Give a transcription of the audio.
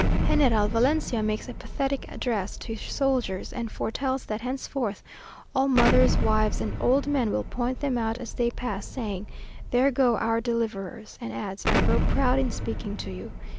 General Valencia makes a pathetic address to his soldiers, and foretells that henceforth all mothers, wives, and old men, will point them out as they pass, saying, "There go our deliverers!" and adds "I grow proud in speaking to you."